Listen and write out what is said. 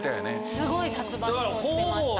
すごい殺伐としてました。